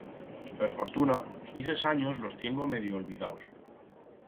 Per fortuna, ixes anyos los tiengo medio olbidaus.